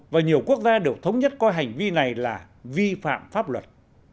và nhiều quốc gia đều thống nhất coi hành vi này là vi phạm pháp luật